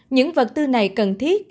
những vật tư này cần thiết